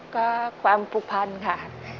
ก็ความปลูกพันธ์ค่ะ